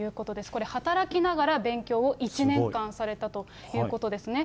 これ働きながら勉強を１年間されたということですね。